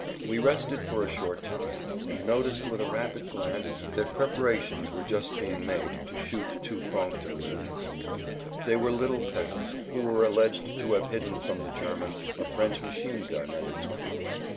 We rested for a short time, and noticed with a rapid glance that preparations were just being made to shoot two franctireurs. They were little peasants who were alleged to have hidden from the Germans a French machine gun and its crew.